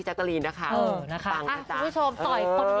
เจ็ดหนึ่งสาม